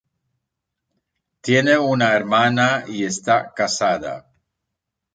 Tiene una Hermana y está casada.